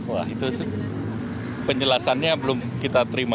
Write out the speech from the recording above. wah itu penjelasannya belum kita terima